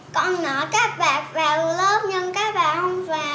con nói các bạn vào lớp nhưng các bạn không vào